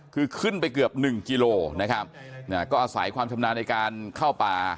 คือขึ้นไปเกือบหนึ่งกิโลนะครับก็อาศัยความชำนาญในการเข้าป่า